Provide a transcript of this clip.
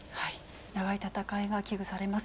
長い戦いが危惧されます。